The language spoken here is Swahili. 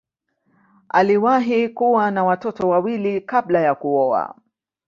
Aliwahi kuwa na watoto wawili kabla ya kuoa.